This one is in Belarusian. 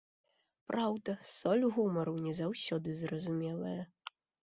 Праўда, соль гумару не заўсёды зразумелая.